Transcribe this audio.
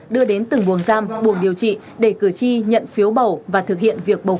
đưa đến từng buồng giam buồng điều trị để cử tri nhận phiếu bầu và thực hiện việc bầu